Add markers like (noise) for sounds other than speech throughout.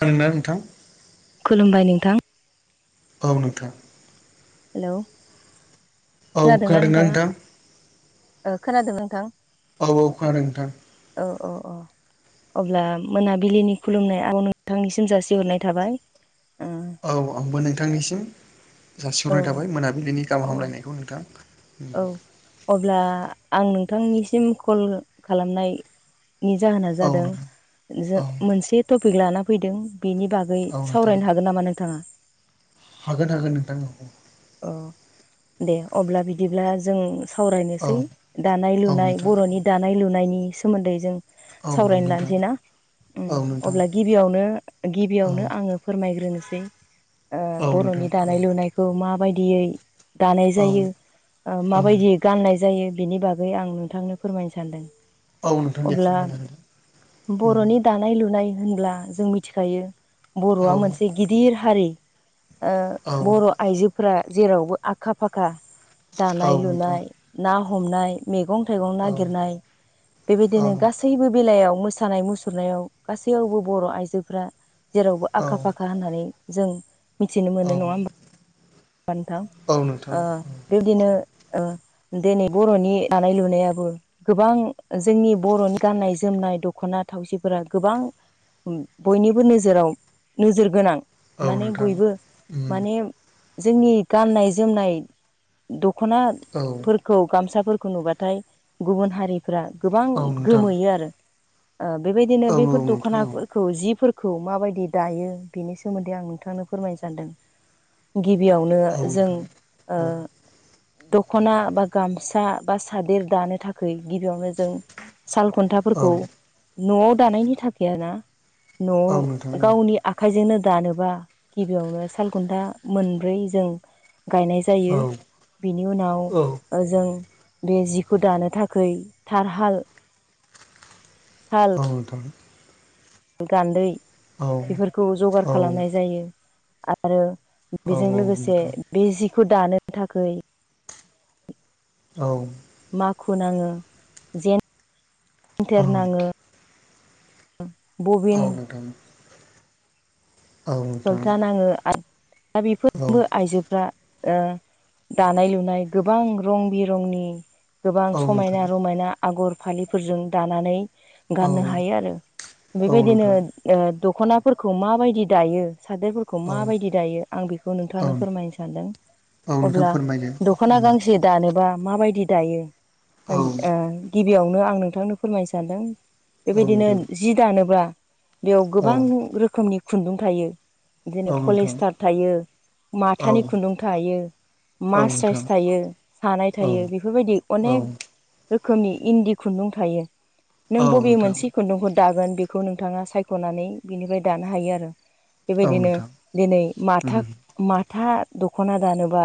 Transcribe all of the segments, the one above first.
खोननो नोंथां खुलुमबाय नोंथां औ नोंथां हेल' औ खोनादों नोंथां खोनादों नोंथां बावाव खोनादों नोंथां औ औ अ अब्ला मोनाबिलिनि खुलुमनाय आ नोंथांनिसिम जासिहरनाय थाबाय औ आंबो नोंथांनिसिम ओ जासिह्ररनाय थाबाय मोनाबिलिनि गाहाम औ अ हामलायनायखौ नोंथां औ अब्ला आं नोंथांनिसिम कल खालामनाय जाहोना औ जादों नोंथां औ ज मोनसे टपिक लाना फैदों बेनि बागै बै नोंथां सावरायनो हागोन नामा नोंथाङा हागोन हागोन नोंथांमोनखौ औ दे अब्ला बिदिब्ला जों सावरायनोसै दानाय औ लुनाय नोंथां बर'नि दानाय लुनायनि सोमोन्दै जों औ सावरायनो नोंथां लानोसै ना औ नोंथां अब्ला गिबियावनो औ गिबियावनो आङो फोरमायग्रोनोसै औ नोंथां बर'नि औ दानाय लुनायखौ माबायदियै दानाय औ जायो औ माबायदियै गाननाय जायो बिनि बागै आं नोंथांनो फोरमायनो सानदों औ नोंथां दे अब्ला फोरमायना होदो बर'नि दानाय लुनाय होनब्ला जों मिथिखायो औ बर'आ मोनसे गिदिर हारि औ बर' आइजो फोर्रा जेरावबो आखा फाखा औ दानाय नोंथां लुनाय ना हमनाय मेगं थाइगं औ नागिरनाय औ बेबायदिनो गासै सैबो बेलायाव मोसानाय मुसुरनायाव गासैयावबो बर' आइजोफ्रा जेरावबो आखा फाखा होननानै जों मिथिनो मोनो नङा होमब औ नोंथां बानोथांओ बेबदिनो दिनै बर'नि दानाय लुनायाबो गोबां जोंनि बर'नि गाननाय जोमनाय दख'ना थावसिफोरा गोबां ओम बयनिबो नोजोराव नोजोर गोनां औ माने नोंथां बयबो माने जोंनि गाननाय जोमनाय दख'ना औ खौ गामसाफोरखौ नुबाथाय गुबुन हारिफ्रा गोबां औ नोंथां गोमोयो आरो ओ बेबायदिनो औ बेफोर नोंथां दख'ना औ खौ जिफोरखौ माबायदि दायो बेनि सोमोन्दै आं नोंथांनो फोरमायनो सानदों गिबियावनो औ जों नोंथां ओ औ दख'ना बा गामसा बा सादेर दानो थाखाय गिबियावनो नों साल औ खुन्थाफोरखौ न'आव दानायनि थाखाय ना न'आव औ नोंथां गावनि आखाइजोंनो दानोबा गिबियावनो सालखुन्था मोनब्रै जों गायनाय औ जायो बेनि औ उनाव जों बे जिखौ दानो थाखै थारहाल साल औ नोंथां गान्दै औ बेफोरखौ औ जगार खालामनाय जायो आरो औ बेजों लोगोसे नोंथां बे जिखौ दानो थाखै औ माखु नाङो औ जेनथेर नाङो औ बबिन नोंथां औ नोंथां औ सलथा नाङो दा बेफोरबो आइजोफ्रा ओ दानाय लुनाय गोबां रं बिरंनि गोबां औ नोंथां औ नोंथां समायना रमायना आगर फालिफोरजों दानानै औ गाननो हायो आरो बेबायदिनो ओ दख'नाफोरखौ माबायदि दायो सादोरफोर खौ माबायदि दायो आं बेखौ नोंथांनो फोरमायनो सानदों औ नोंथां अब्ला फोरमायदो दख'ना गांसे दानोबा माबायदि दायो औ ओन ओ गिबियावनो आं नोंथांनो फोरमायनो सानदों औ बेबायदिनो नोंथां जि दानोब्ला बेयाव औ गोबां रोखोमनि खुन्दुं थायो बिदिनो औ नोंथां पलिस्टार थायो औ माथानि खुन्दुं थायो औ नोंथां मासराइस थायो सानाय औ थायो औ बेफोरबायदि औ नोंथां अनेक रोखोमनि इन्दि खुन्दुं थायो नों बबे मोनसे खुन्दुंखौ दागोन बेखौ नोंथाङा सायख'नानै बिनिफ्राय दानो हायो आरो औ बेबायदिनो नोंथां दिनै माथा माथा दख'ना दानोबा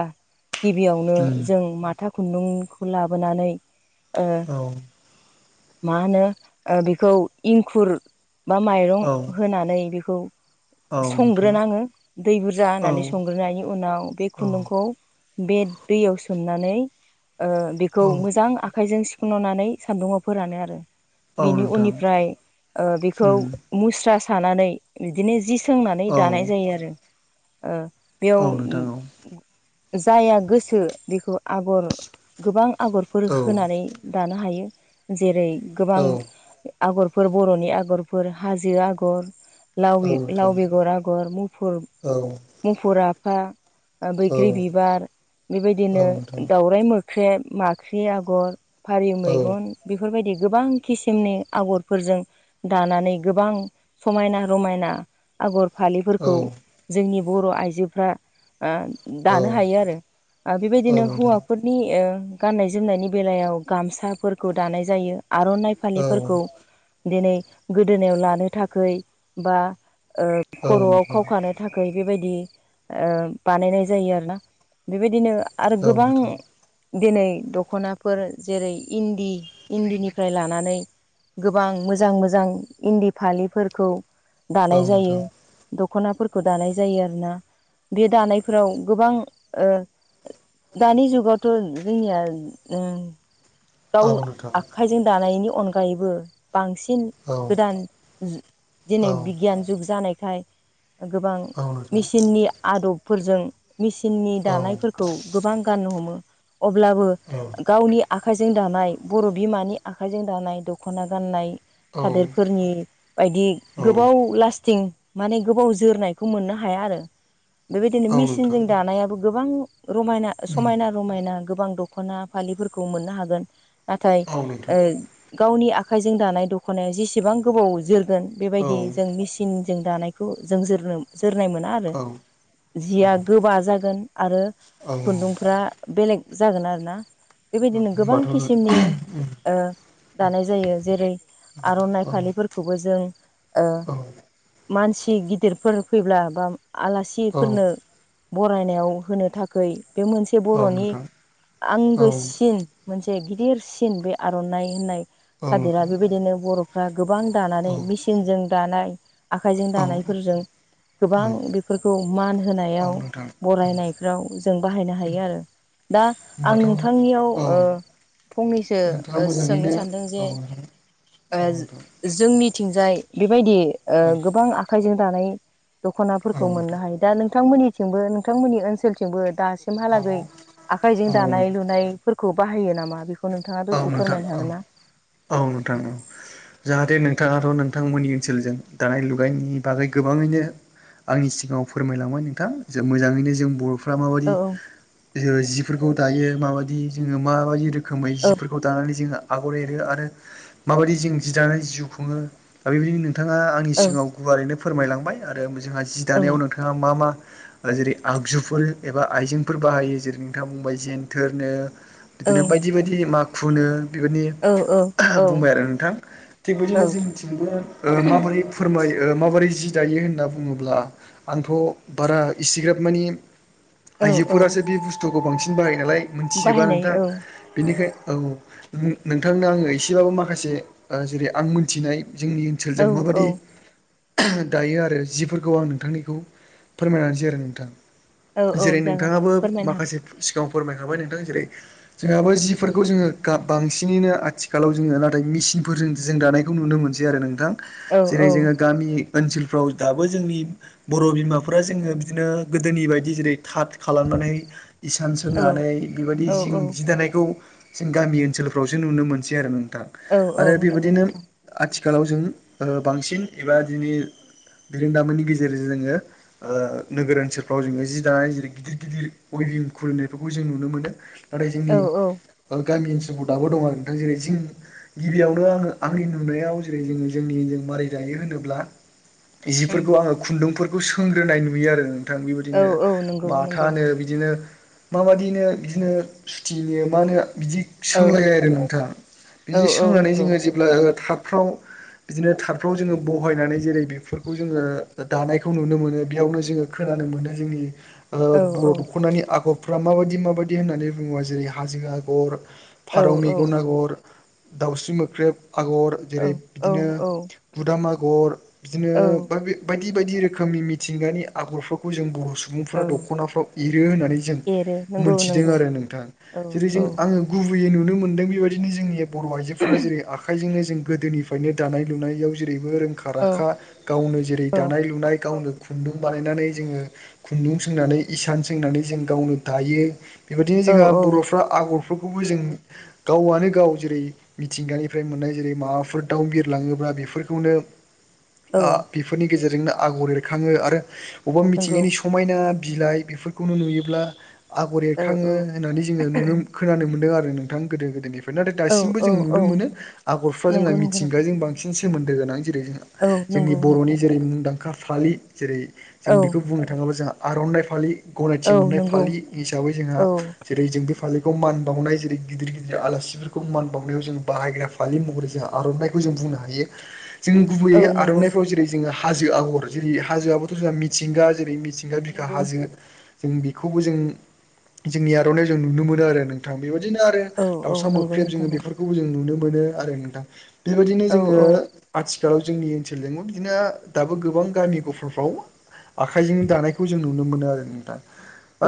गिबियावनो जों माथा खुन्दुंखौ लाबोनानै ओ मा होनो ओ बेखौ इंखुर बा माइरं औ होनानै बेखौ औ नोंथां संग्रोनाङो दै बुरजा औ होनानै संग्रोनायनि उनाव बे औ खुन्दुंखौ बे दैयाव सोमनानै ओ औ बेखौ मोजां आखाइजों से सुफननानै सान्दुंङाव फोरानो आरो औ बिनि नोंथां उननिफ्राय ओ बेखौ उम मुस्रा सानानै बिदिनो जि सोंनानै औ दानाय जायो आरो ओ औ बेयाव नोंथां जाया गोसो बेखौ आगर गोबां आगर फोर औ होनानै दानो हायो जेरै औ गोबां आगरफोर बर'नि आगरफोर हाजो आगर औ लावि लाव नोंथां बेगर आगर मुफुर औ मुफुर आफा ओ औ बैग्रि बिबार औ बेबायदिनो नोंथां दाउराइ मोख्रेब माख्रि आग'र फारि औ मैगन बेफोरबायदि गोबां खिसिमनि आगरफोरजों दानानै गोबां समायना रमायना आगर औ फालिफोरखौ जोंनि बर' आइजोफ्रा औ दानो हायो आरो औ नोंथां औ बेबायदिनो नोंथां औ नोंथां हौवाफोर नि गाननाय जोमनायनि बेलायाव गामसाफोरखौ दानाय जायो आर'नाइ औ नोंथां औ नोंथां औ नोंथां औ औ फालिफोरखौ दिनै गोदोनायाव लानो थाखै बा ओ खर'आव खावखानो थाखाय बेबायदि ओ बानायनाय जायो आरोना बेबायदिनो आरो गोबां दिनै दख'नाफोर जेरै इन्दि इन्दिनिफ्राय लानानै गोबां मोजां मोजां इन्दि फालिफोरखौ दानाय जायो। दख'नाफोरखौ दानाय जायो आरोना बे दानायफोराव गोबां ओ दानि जुगावथ' जोंनिया ओ गाव आखाइजों दानायनि अनगायैबो बांसिन गोदान दिनै बिगियान जुग जानायखाय गोबां औ मेसिननि आदबफोरजों मेचिननि दानायफोरखौ गोबां गाननो हमो अब्लाबो औ। गावनि आखाइजों दानाय बर' बिमानि आखाइजों दानाय दख'ना गाननाय सादोरफोरनि बायदि गोबाव लास थिं माने गोबाव जोरनायखौ मोननो हाया आरो। बेबायदिनो नोंथां मेसिनजों दानायाबो गोबां रमायना उम समायना रमायना गोबां दख'ना फालिफोरखौ मोननो हागोन नाथाय औ गावनि आखाइजों दानाय दख'नाया जेसेबां गोबाव जोरगोन नोंथां औ बेबायदि जों मिस सिनजों दानायखौ जों जोरनो जोरनाय मोना औ औ जिया गोबा जागोन आरो खुन्दुंफ्रा बेलेग जागोन आरोना बेबायदिनो गोबां होनबाथ' किसिमनि ओ दानाय जायो जेरै आर'नाइ फालिफोरखौबो जों ओ औ मानसि गिदिरफोर फैब्ला बा औ आलासिफोरनो बरायनायाव होनो थाखै बे मोनसे औ बर'नि नोंथां औ आंगोसिन मोनसे गिदिरसिन बे आर'नाइ होननाय औ सादोरा नोंथां बेबायदिनो बर' फ्रा गोबां दानानै औ मेचिनजों दानाय आखाइजों औ दानायफोरजों गोबां औ बेफोरखौ मान औ होनायाव नोंथां बरायनायफ्राव जों बाहायनो हायो आरो। दा आं होमबाथ' नोंथांनियाव औ ओ फंनैसो नोंथाङा ओ सोंनो मोजाङैनो सानदों औ जे ओ नोंथां जोंनिथिंजाय बेबायदि ओ गोबां आखाइजों दानाय औ दख'नाफोरखौ मोननो नोंथां हायो दा नोंथांमोननिथिंबो नोंथांमोननि ओनसोलथिंबो दा औ सिमहालागै औ नोंथां औ आखाइजों नोंथां दानाय लुनायफोरखौ बाहायो नामा? बेखौ नोंथाङा औ दसे नोंथां फोरमायनो औ हागोन ना? औ नोंथां औ। जाहाथे नोंथाङाथ' नोंथांमोननि ओनसोलजों दानाय लुनायनि बागै गोबाङैनो आंनि सिगाङाव फोरमायलांबाय नोंथां। मोजाङैनो जों बर' फ्रा औ माबायदि जिफोरखौ दायो माबाददि जोङो माबायदि रो खोमै औ जिफोरखौ दानानै जोंहा आगर एरो आरो माबायदि जों जि दानानै जिउ खुङो। दा बेबायदिनो नोंथाङा आंनि औ सिगाङाव गुवारैनो फोरमायलांबाय आरो जोंहा जि दानायाव नोंथाङा मा मा जेरै आगजुफोर एबा आइजेंफोर बाहायो जेरै नोंथाङा बुंबाय जेनथोरनो औ बिदिनो बायदि बायदि माखुनो बेबायदि औ औ औ बुंबाय आरो नोंथां थिग बिदिनो औ जों मिथिनोबो माबोरै फोरमायो ओ माबोरै जि दायो होनना बुङोब्ला आंथ' बारा इसिग्राब मानि औ औ आइजोफोरासो बे बुस्थुखौ बांसिन बाहायो नालाय मिथिजोबा बाहायनाय नोंथां औ बेनिखाय औ। (unintelligible) नोंथांनो आङो एसेबाबो माखासे जेरै आं मोनथिनाय जोंनि सोलजों औ औ माबादि दायो आरो जिफोरखौ आं नोंथांनिखौ फोरमायनानसै आरो नोंथां। औ औ जेरै जागोन नोंथाङाबो फोरमायनो हागोन माखासे सिगाङाव फोरमायखांबाय नोंथां जेरै जोंहाबो जिफोरखौ जोङो गाब बांसिनैनो आथिखालाव जोङो नाथाय मेसिनफोरजों जों दानायखौ नुनो मोनसै आरो नोंथां। औ जेरै जोङो गामि ओनसोलफ्राव दाबो जोंनि बर' बिमाफोरा जोङो बिदिनो गोदोनि बायदि जेरै थाद खालामनानै इसान सोंनानै बेबायदि औ जिं जि औ दानायखौ जों गामि ओनसोलफ्रावसो नुनो मोनसै आरो नोंथां। औ औ आरो नंगौ बेबायदिनो नोंथां आथिखालाव जों ओ बांसिन एबा दिनै बिरोंदामोननि गेजेरजों जोङो ओ नोगोर ओनसोलफ्राव जोङो जि दानाय जेरै गिदिर गिदिर वेभिं खुलिनायफोरखौ जों नुनो मोनो। नाथाय जोंनि औ औ गामि ओनसोलाव दाबो दङ आरो नोंथां जेरै जि गिबियावनो आङो आंनि नुनायाव जेरै जोङो जोंनिजों मारै दायो होनोब्ला जिफोरखौ आङो खुन्दुंफोरखौ सोंग्रोनाय नुयो आरो। माथा औ बेबायदिनो औ नंगौ नंगौ माथानो बिदिनो माबायदिनो बिदिनो सुथिनो मा होन बिदि औ सोंलाय आरो नोंथाङा औ बिदि औ सोंनानै नंगौ जोङो जे अब्ला थारफ्राव बिदिनो थारफ्राव जोङो बहायनानै जेरै बेफोरखौ जोङो दानायखौ नुनो मोनो बेयावनो जोङो खोनानो मोनो जोंनि औ औ बर' दख'नानि आगर आफ्रा माबायदि माबायदि होननानै बुङोबा जेरै हाजो आगर औ फारौ औ मेगन आगर दाउस्रि मोख्रेब आगर। जेरै औ बिदिनो औ बुदाम आगर बिदिनो औ बा बे बायदि बायदि रोखोमनि मिथिंगानि आगरफोरखौ जों बर' सुबुं औ सुबुंफ्रा दख'नाफ्राव एरो होननानै जों एरो नंगौ मोनथिदों नंगौ आरो नोंथां औ जेरै औ जों आ ओं गुबैयै नुनो मोनदों बेबायदिनो जोंनि बर' आइजोफोरा जेरै आखाइजोंनो जों गोदोनिफ्रायनो दानाय लुनायाव जेरैबो रोंखा राखा गावनो जेरै औ दानाय लुनाय गावनो खुन्दुं बानायनानै जोङो खुन्दुं सोंनानै इसान सोंनानै जों गावनो दायो बेबायदिनो औ जोंहा बर'फ्रा आगर बेफोरखौबो जों गावआनो गाव जेरै मिथिंगानिफ्राय मोननाय जेरै माबाफोर दाउ बिरलाङोब्ला बेफोरखौनो (inaudible) बेफोरनि गेजेरजोंनो आगर एरखाङो आरो अबेबा नंगौ मिथिंगानि स समायना बिलाइ बेफोरखौनो नुयोब्ला आगर औ औ एरखाङो होननानै जोङो नुनो मो खोनानो मोनदों आरो नोंथां गोदो गोदोनिफ्राय नो नाथाय औ दासिमबो औ जों औ नुनो मोनो आगरफ्रा नंगौ जोंहा नंगौ मिथिंगाजों बांसिन सोमोन्दो गोनां जेरै जोंहा औ जोंनि नंगौ बर'नि जेरै मुंदांखा फालि जेरै औ जों बेखौ बुंनो थाङोब्ला जोंहा आर'नाइ फालि गनायथि औ मोननाय नंगौ फालि हिसाबै जोंहा औ जेरै जों बे फाललिखौ मान बावनाय जेरै गिदिर गिदिर आलासिफोरखौ मान बावनायाव जों बाहायग्रा फालि महरै जोंहा आर'नाखौ जों बुंनो हायो। (inaudible) जों गुबै औ नंगौ आर'नाइफ्राव जेरै जोङो हाजो आगर जेरै हाजो आबोथ' जोंहा मिथिंगा जेरै मिथिं गा बिखा नंगौ हाजो जों बेखौबो जों जोंनि आर'नायाव जों नुनो मोनो आरो नोंथां बेबायदिनो आरो औ औ दाउसा नंगौ मोख्रेब नोंथां जोङो नंगौ बेफोरखौ खौ जों नुनो मोनो आरो नोंथां बेबायदिनो औ जोङो औ आथिखालाव जोंनि ओनसोलजों बिदिनो दाबो गोबां गामि गफाफ्राव आखाइजों दानायखौ जों नुनो मोनो आरो नोंथाङा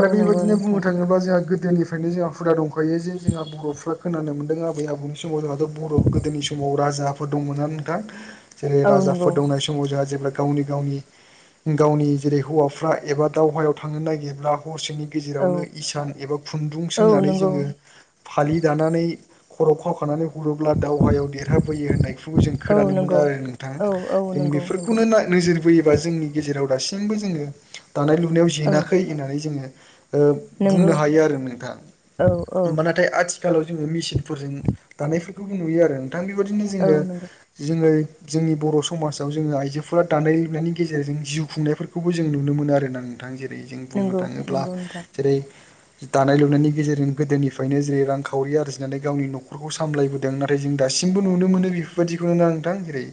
औ नंगौ बेबायदिनो बुङो नोंथां बा जोंहा गोदोनिफ्रायनो जोंहा हुदा दंखायो जे जोंहा बर'फ्रा खोनानो मोनदों आबै आबौनि समाव जों बर' गोदोनि समाव राजाफोर दंमोन नोंथां जेरै औ नंगौ राजाफोर दंनाय समाव समाव जोंहा जेब्ला गावनि-गावनि गावनि जेरै हौवाफ्रा एबा दावहायाव थांनो नागिरब्ला हरसेनि औ गेजेरावनो इसान एबा खुन्दुं औ सोंनानै नंगौ जोङो फालि दानानै खर' खावखानानै हरोब्ला दावहायाव देरहाबोयो होननायखौ जों औ खोनानो मोनो नंगौ आरो औ औ नोंथांजों नंगौ नंगौ बेफोरखौनो नाय नोजोर बोयोबा जोंनि गेजेराव दासिमबो जोङो दानाय लुनायाव औ जेनाखै होननानै जोङो ओ बुंनो नंगौ हायो आरो नोंथां औ औ होमबाना थाय आथिखालाव जोङो मेसिनफोरजों दानायफोरखौबो नुयो आरो नोंथां बेबायदिनो औ नंगौ जोङो दिनै जोंनि बर' समाजाव जोङो आइजोफोरा दानाय लुनायनि गेजेरजों जिउ खुंनायफोर खौबो जों नुनो मोनो आरोना नोंथां जेरै जों बुंनो नंगौ थाङोब्ला नंगौ नोंथां जेरै दानाय लुनायनि गेजेरजों गोदोनिफ्रायनो जेरै रांखावरि आरजिनानै गावनि न'खरखौ सामलायबो दों नाथाय जों दासिमबो नुनो मोनो बेफोरबायदिखौनो ना नोंथां जेरै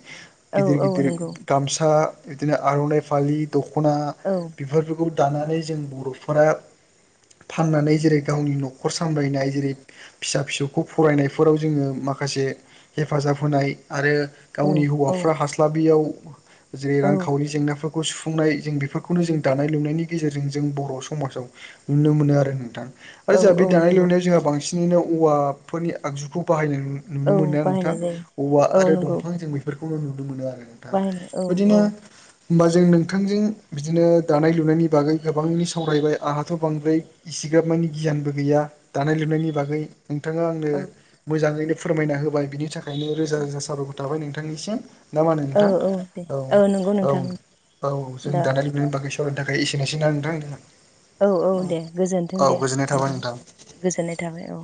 औ औ गिदिर-गिदिर नंगौ गामसा बिदिनो आर'नाइ फालि, दख'ना औ। बेफोरखौ दानानै जों बर'फोरा। फाननानै जेरै गावनि न'खर सामलायनाय जेरै फिसा फिसौखौ फरायनायफोराव जोङो माखासे हेफाजाब होनाय आरो। औ गावनि औ हौवाफ्रा हास्लाबियाव जेरै औ रांखावरि जेंना फो गु सुफुंनाय जों बेफोरखौनो जों दानाय लुनायनि गेजेरजों जों बर' समाजाव। नुनो मोनो आरो नोंथां आरो औ जोंहा बे औ दानाय नंगौ लुनायाव जोंहा बांसिन (unintelligible) औवाफोरनि आगजुखौ बाहायनाय नु नुनो औ मोनदों नोंथां बाहायनाय जायो औवा औ आरो नंगौ दंफां जों बेफोरखौनो नुनो मोनो आरो नोंथां बाहायनो औ बेबायदिनो। औ होमबा जों नोंथांजों बिदिनो दानाय लुनायनि बागै गोबांनि सावरायबाय आंहा थ' बांद्राय इसिग्राब मानि गियानबो गैया दानाय लुनायनि बागै नोंथाङा आंनो। औ मोजाङैनो फोरमायना होबाय बिनि थाखायनो रोजा-रोजा साबायखर थाबाय नोंथांनिसिम। ना मा होनो औ नोंथां औ दे औ नंगौ नोंथां औ-औ-औ जोंनि दा दानाय नों बाखै सावरायनो थाखाय एसेनो एसै ना नोंथां औ-औ औ दे गोजोनथों औ दे गोजोननाय थाबाय नोंथां गोजोननाय थाबाय औ।